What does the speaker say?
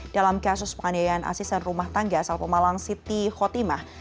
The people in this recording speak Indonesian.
dalam kasus penganiayaan asisten rumah tangga asal pemalang siti khotimah